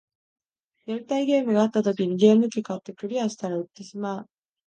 やりたいゲームがあった時にゲーム機買って、クリアしたら売ってしまう